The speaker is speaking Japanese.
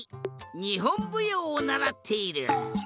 にほんぶようをならっている。